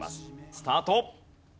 スタート。